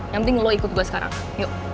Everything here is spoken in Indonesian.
yang penting lo ikut gue sekarang yuk